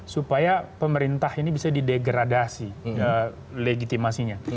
supaya pemerintah ini bisa didegradasi legitimasinya